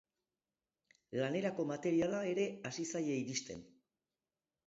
Lanerako materiala ere hasi zaie iristen.